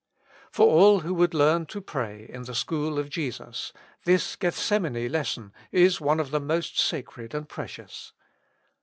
—— For all who would learn to pray in the school of Jesus, this Gethsemane lesson is one of the most sacred and precious.